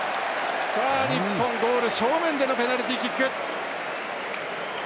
日本、ゴール正面でのペナルティーキック。